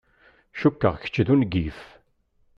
Cukkeɣ kečč d ungif.